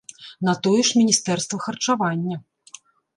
На тое ж міністэрства харчавання!